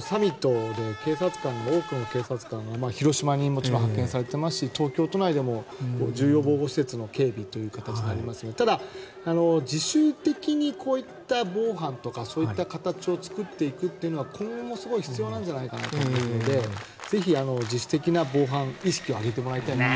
サミットで多くの警察官が広島に派遣されていますし東京都内でも重要防護施設の警備という形になりますがただ、自主的にこういった防犯とかそういった形を作っていくというのは今後もすごく必要なんじゃないかなと思うのでぜひ、自主的な防犯意識を上げてほしいなと思います。